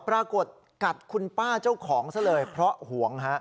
ปรากฏกัดคุณป้าเจ้าของซะเลยเพราะหวงฮะ